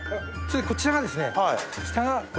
こちらがですね。